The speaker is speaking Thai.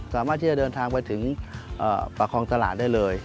สามารถที่จะเดินทางไปถึงประคองตลาดได้เลย